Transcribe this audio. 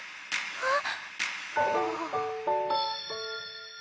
あっ。